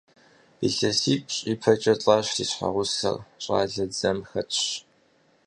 ИлъэсипщӀ ипэкӀэ лӀащ си щхьэгъусэр, щӀалэр дзэм хэтщ.